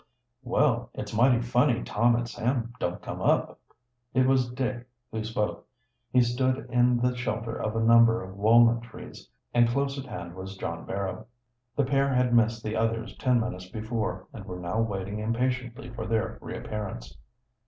"Well, it's mighty funny Tom and Sam don't come up." It was Dick who spoke. He stood in the shelter of a number of walnut trees, and close at hand was John Barrow. The pair had missed the others ten minutes before, and were now waiting impatiently for their reappearance.